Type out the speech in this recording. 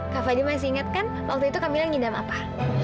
kak fadil masih inget kan waktu itu kak mila ngidam apa